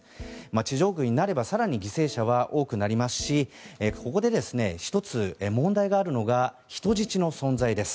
地上軍になればさらに犠牲者は多くなりますしここでですね一つ問題があるのが人質の存在です。